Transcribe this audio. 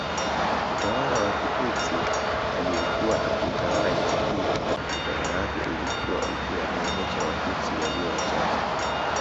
Mtawala wa Kitutsi aliyekuwa akiitawala nchi hiyo utawala wake ulikuwa ukiwaneemesha Watutsi walio wachache